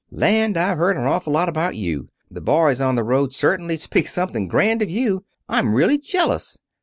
"Land, I've heard an awful lot about you. The boys on the road certainly speak something grand of you. I'm really jealous.